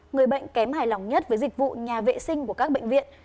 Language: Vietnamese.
người bệnh kém hài lòng nhất với dịch vụ nhà vệ sinh của các bệnh viện